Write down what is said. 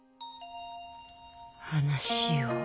話を。